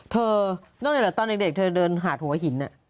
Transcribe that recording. เธอนั่นเอนละตอนเด็กเธอเดินหาดหัวหิน